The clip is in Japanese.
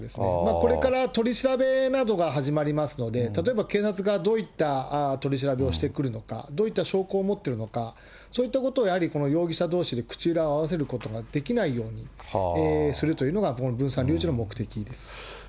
これから取り調べなどが始まりますので、例えば警察がどういった取り調べをしてくるのか、どういった証拠を持っているのか、そういったことをやはり容疑者どうしで口裏を合わせることができないようにするというのが、分散留置の目的です。